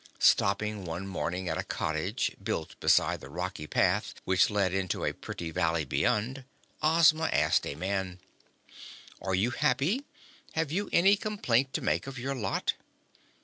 Stopping one morning at a cottage, built beside the rocky path which led into a pretty valley beyond, Ozma asked a man: "Are you happy? Have you any complaint to make of your lot?"